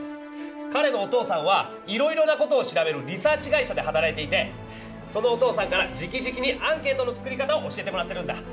かれのお父さんはいろいろなことを調べるリサーチ会社で働いていてそのお父さんからじきじきにアンケートの作り方を教えてもらってるんだ。